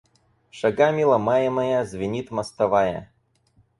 Шагами ломаемая, звенит мостовая.